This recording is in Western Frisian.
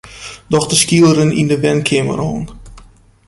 Doch de skeakeler yn 'e wenkeamer oan.